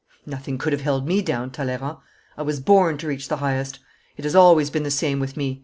'Nothing could have held me down, Talleyrand. I was born to reach the highest. It has always been the same with me.